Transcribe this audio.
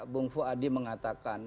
bung fuadi mengatakan